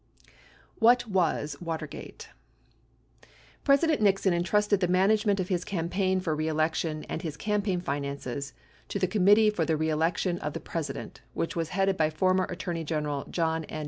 What Was Watergate? President Nixon entrusted the management of his campaign for reelection and his campaign finances to the Committee for the Re Election of the President, which was headed by former Attorney Gen eral John N.